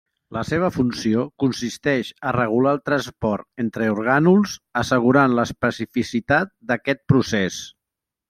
La seva funció consisteix a regular el transport entre orgànuls assegurant l'especificitat d'aquest procés.